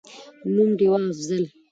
نوم: ډېوه«افضل»